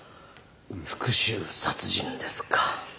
復讐殺人ですか。